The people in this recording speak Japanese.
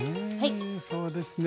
そうですね。